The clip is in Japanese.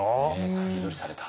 先取りされた。